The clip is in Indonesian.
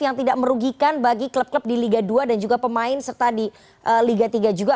yang tidak merugikan bagi klub klub di liga dua dan juga pemain serta di liga tiga juga